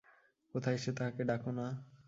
কোথায় সে, তাহাকে ডাকো-না।